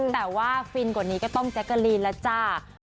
แต่ว่าฟินกว่านี้ก็ต้องแจ๊กกะลีนแล้วจ้า